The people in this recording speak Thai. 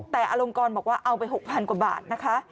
แต่อลงกรบอกว่าเอาไป๖๐๐กว่าบาทนะคะ